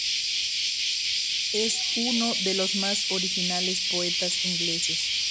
Es uno de los más originales poetas ingleses.